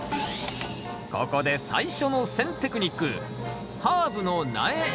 ここで最初の選テクニック